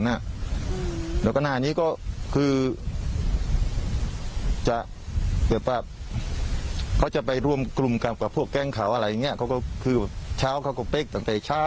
ดังนานนี้จริงคนจะไปร่วมกลุ่มกับพวกแกจ้าเขาก็ปิ๊กตั้งแต่เช้า